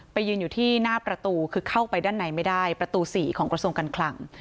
ยืนอยู่ที่หน้าประตูคือเข้าไปด้านในไม่ได้ประตู๔ของกระทรวงการคลัง